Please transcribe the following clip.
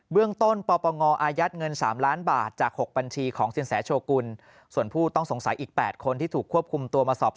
เรื่องต้นปปงอายัดเงิน๓ล้านบาทจาก๖บัญชีของสินแสโชกุลส่วนผู้ต้องสงสัยอีก๘คนที่ถูกควบคุมตัวมาสอบสว